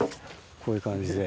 こういう感じで。